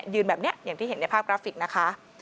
แบบนี้อย่างที่เห็นในภาพกราฟิกนะคะ